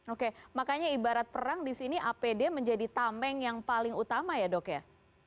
oke makanya ibarat perang di sini apd menjadi tameng yang paling utama ya dok ya